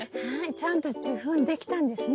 ちゃんと受粉できたんですね。